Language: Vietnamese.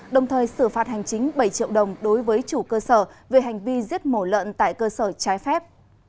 đồng thời xử phạt hành chính bảy triệu đồng đối với chủ cơ sở về hành vi giết mổ lợn tại cơ sở trái phép